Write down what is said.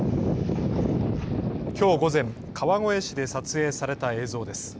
きょう午前、川越市で撮影された映像です。